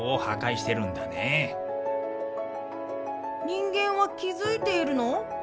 人間は気付いているの？